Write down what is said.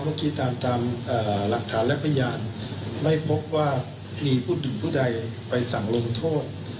เมื่อกี้ตามตามเอ่อหลักฐานและพญานไม่พบว่ามีผู้โดนผู้ใดไปสั่งโรงโทษ